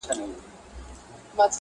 o څه عجيبه جوارگر دي اموخته کړم.